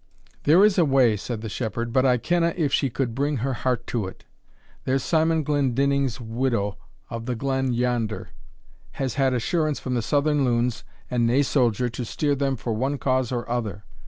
"There is a way," said the shepherd, "but I kenna if she could bring her heart to it, there's Simon Glendinning's widow of the glen yonder, has had assurance from the Southern loons, and nae soldier to steer them for one cause or other.